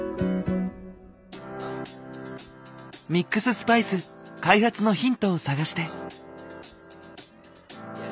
ミックススパイス開発のヒントを探して。